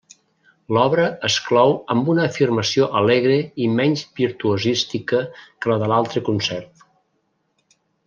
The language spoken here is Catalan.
L'obra es clou amb una afirmació alegre i menys virtuosística que la de l'altre concert.